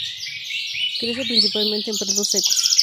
Crece principalmente en prados secos.